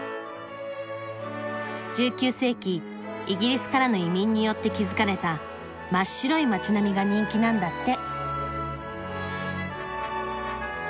１９世紀イギリスからの移民によって築かれた真っ白い街並みが人気なんだって。